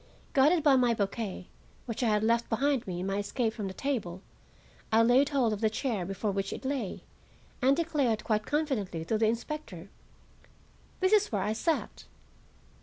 Guided by my bouquet, which I had left behind me in my escape from the table, I laid hold of the chair before which it lay, and declared quite confidently to the inspector: "This is where I sat."